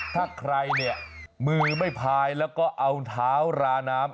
ถ้าใครเนี่ยมือไม่พายแล้วก็เอาเท้าราน้ำ